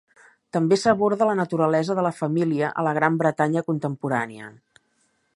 També s'aborda la naturalesa de la família a la Gran Bretanya contemporània.